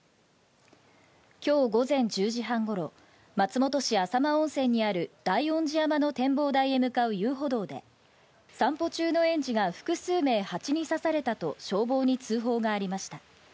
きょう午前１０時半ごろ、松本市浅間温泉にあるだいおんじ山の展望台へ向かう遊歩道で、散歩中の園児が複数名ハチに刺されたと消防に通報がありました。